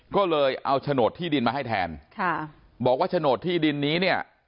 ก็เลยเอาโฉนดที่ดินมาให้แทนค่ะบอกว่าโฉนดที่ดินนี้เนี่ย